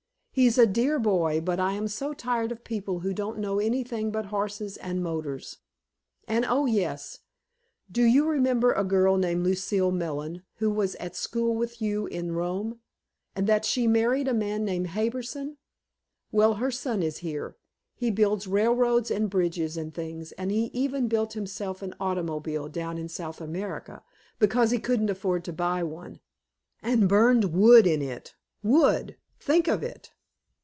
He's a dear boy, but I am so tired of people who don't know anything but horses and motors. And, oh, yes, do you remember a girl named Lucille Mellon who was at school with you in Rome? And that she married a man named Harbison? Well, her son is here! He builds railroads and bridges and things, and he even built himself an automobile down in South America, because he couldn't afford to buy one, and burned wood in it! Wood! Think of it!